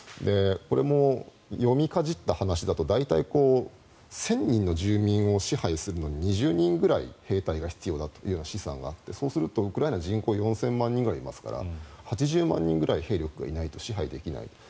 これも読みかじった話だと大体、１０００人の住民を支配するのに２０人ぐらい兵隊が必要だという試算があってそうするとウクライナは人口が４０００万人ぐらいいますから８０万人ぐらい兵力がいないと支配できない。